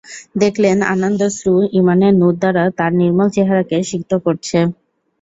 দেখলেন, আনন্দাশ্রু ঈমানের নূর দ্বারা তাঁর নির্মল চেহারাকে সিক্ত করছে।